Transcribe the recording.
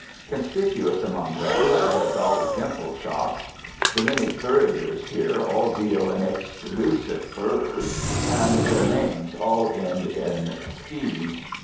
Conspicuous among them, the "Dolly Dimple Shop." The many "furriers" here all deal in "exclusive" furs and their names all end in "sky."